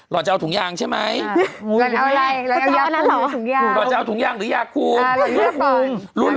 เราจะเอาถุงยางใช่ไหมเอาอะไรระยะหรอหรอ